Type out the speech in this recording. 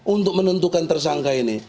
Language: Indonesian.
untuk menentukan tersangkutannya